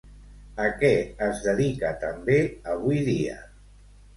A què es dedica també avui dia?